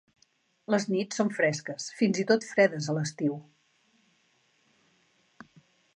Les nits són fresques, fins i tot fredes a l'estiu.